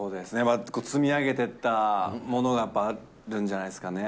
積み上げてったものがやっぱあるんじゃないですかね。